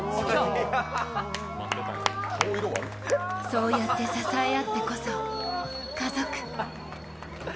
そうやって支え合ってこそ家族。